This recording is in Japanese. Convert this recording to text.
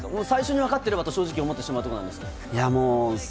最初に分かっていればと正直思ってしまうんですが。